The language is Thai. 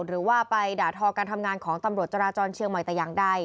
หรือว่าไปด่าทอการทำงานของตำรวจจราจรเชียงใหม่แต่อย่างใด